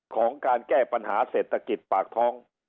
ของการแก้ปัญหาเศรษฐกิจปากท้อง